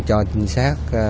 cho chính xác